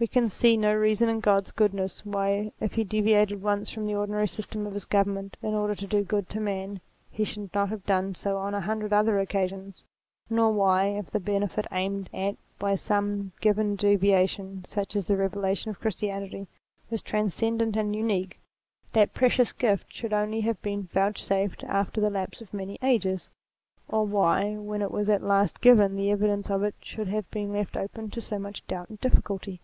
We can see no reason in God's goodness why if he deviated once from the ordinary system of his government in order to do good to man, he should not have done so on a hundred other occasions ; nor why, if the benefit aimed at by some given deviation, such as the revelation of 'Christianity, was transcendent and unique, that r* 236 THEISM precious gift should only have been vouchsafed after the lapse of many ages ; or why, when it was at last given, the evidence of it should have been left open to so much doubt and difficulty.